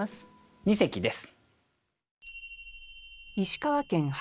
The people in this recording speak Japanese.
二席です。